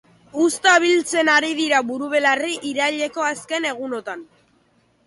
Uzta biltzen ari dira burubelarri iraileko azken egunotan.